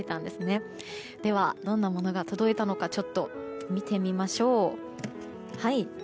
では、どんなものが届いたのか見てみましょう。